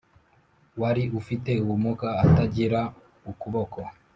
wari ufite ubumuga atagira ukuboko